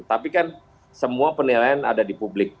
tapi kan semua penilaian ada di publik